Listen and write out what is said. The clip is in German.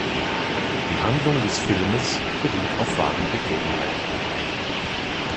Die Handlung des Filmes beruht auf wahren Begebenheiten.